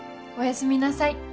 おやすみなさい